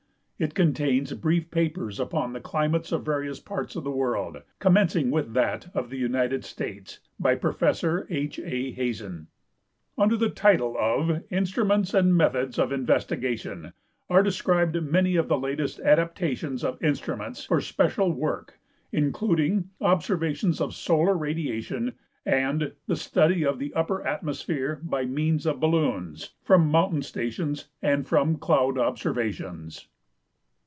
It contains brief papers upon the climates of various parts of the world, commencing with that of the United States, by Prof. H. A. Hazen. Under the title of 'J. Instruments and Methods of Investigation " are described many of the latest adapta tions of instruments for special work, including "Observations of Solar Radiation" and "The Stud}' of the Upper Atmosphere by Means of Bal loons, from Mountain Stations, and fi'om Cloud Observations."